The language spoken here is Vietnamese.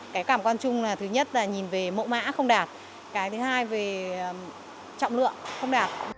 cái cảm quan chung là thứ nhất là nhìn về mẫu mã không đạt cái thứ hai về trọng lượng không đạt